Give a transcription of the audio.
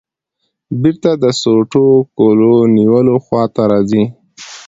بېرته د سوټو کولونیلو خواته راځې.